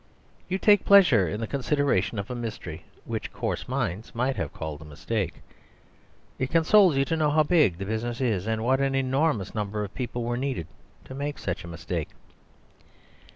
You take pleasure in the consideration of a mystery: which coarse minds might have called a mistake. It consoles you to know how big the business is: and what an enormous number of people were needed to make such a mistake.